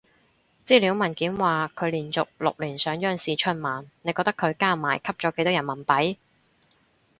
資料文件話佢連續六年上央視春晚，你覺得佢加埋吸咗幾多人民幣？